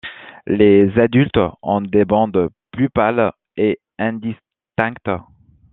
Les adultes ont des bandes plus pâles et indistinctes.